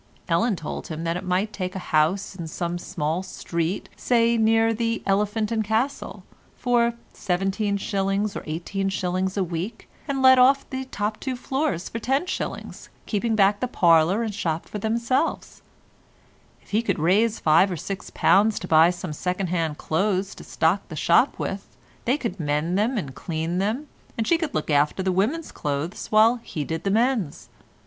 Ellen told him that he might take a house in some small street, say near the "Elephant and Castle," for 17s. or 18s. a week, and let off the two top floors for 10s., keeping the back parlour and shop for themselves. If he could raise five or six pounds to buy some second hand clothes to stock the shop with, they could mend them and clean them, and she could look after the women's clothes while he did the men's.